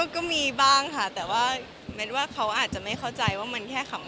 ก็มีบ้างค่ะแต่ว่าแมทว่าเขาอาจจะไม่เข้าใจว่ามันแค่ขำ